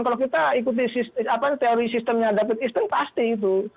kalau kita ikuti teori sistemnya david estate pasti itu